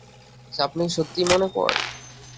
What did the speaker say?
Sir, আপনি কি সত্যিই মনে করেন?